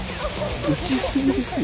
撃ち過ぎですよ。